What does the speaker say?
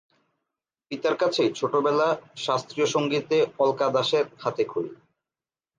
পিতার কাছেই ছোটবেলা শাস্ত্রীয় সংগীতে অলকা দাশের হাতেখড়ি।